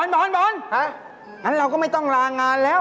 เฮ่ยอย่างนั้นเราก็ไม่ต้องลางานแล้ว